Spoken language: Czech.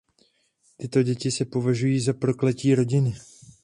Tyto děti se považují za prokletí rodiny.